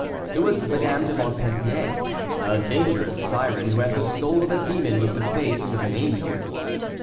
It was Madame de Montpensier, a dangerous syren, who had the soul of a demon with the face of an angel.